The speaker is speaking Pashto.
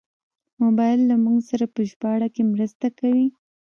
موبایل له موږ سره په ژباړه کې مرسته کوي.